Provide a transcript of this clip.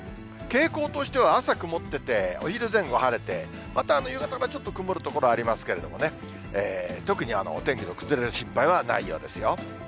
傾向としては朝曇ってて、お昼前後晴れて、また夕方からちょっと曇る所ありますけどね、特にお天気の崩れる心配はないようですよ。